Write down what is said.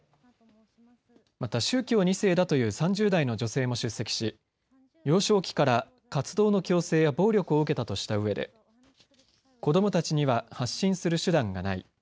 また宗教２世だという３０代の女性も出席し幼少期から活動の強制や暴力を受けたとしたうえで子どもたちには発信する手段がない。